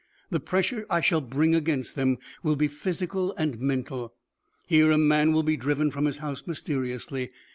"The pressure I shall bring against them will be physical and mental. Here a man will be driven from his house mysteriously.